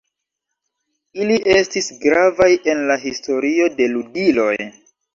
Ili estis gravaj en la historio de ludiloj.